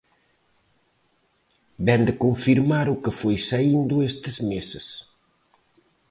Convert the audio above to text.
Vén de confirmar o que foi saíndo estes meses.